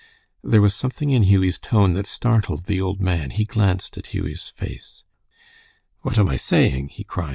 There was something in Hughie's tone that startled the old man. He glanced at Hughie's face. "What am I saying?" he cried.